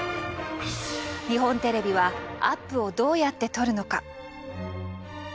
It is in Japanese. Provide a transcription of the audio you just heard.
日本テレビはアップをどうやって撮るのか？